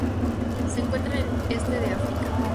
Se encuentra en el este de África.